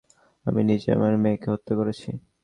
আমি নিজেই আমার মেয়েকে হত্যা করেছি।